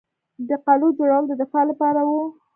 د قلعو جوړول د دفاع لپاره وو